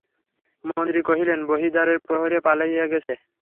মন্ত্রী কহিলেন, বহির্দ্বারের প্রহরীরা পলাইয়া গেছে।